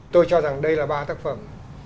tôi cho rằng đây là ba tác phẩm